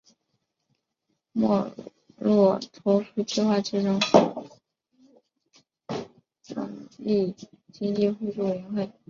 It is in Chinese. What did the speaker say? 莫洛托夫计划最终扩充成立经济互助委员会。